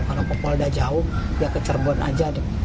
kalau pukul udah jauh ya ke cerbon aja